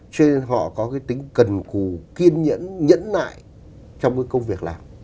cho nên họ có cái tính cần cù kiên nhẫn nhẫn nại trong cái công việc làm